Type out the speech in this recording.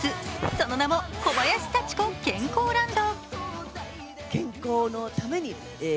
その名も、小林幸子健康ランド。